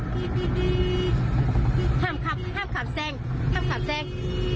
ข้ามขับข้ามขับเส้งข้ามขับเส้ง